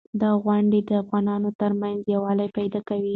دا غونډې د افغانانو ترمنځ یووالی پیدا کوي.